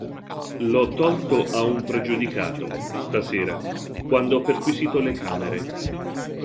L'ho tolto a un pregiudicato, stasera, quando ho perquisito le camere.